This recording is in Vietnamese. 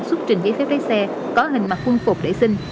xuất trình giấy phép lấy xe có hình mặt quân phục để xin